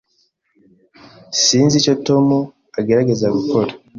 Sinzi icyo Tom agerageza gukora.